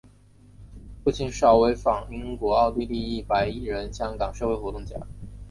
父亲邵维钫英国奥地利裔白人香港社会活动家。